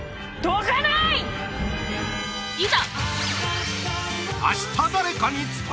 どかない！